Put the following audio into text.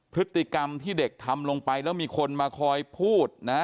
พฤติกรรมที่เด็กทำลงไปแล้วมีคนมาคอยพูดนะ